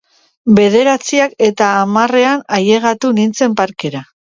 Bederatziak eta hamarrean ailegatu nintzen parkera.